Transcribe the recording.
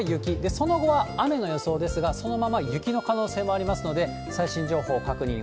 その後は雨の予想ですが、そのまま雪の可能性もありますので、最新情報確認を。